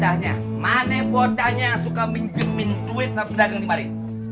mana bocahnya mana bocahnya yang suka minjemin duit sama pedagang di bali